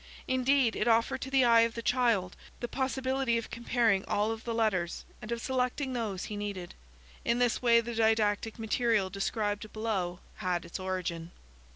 Indeed, it offered to the eye of the child the possibility of comparing all of the letters, and of selecting those he needed. In this way the didactic material described below had its origin.